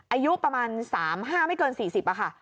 อายุประมาณ๓๕ไม่เกิน๔๐ค่ะ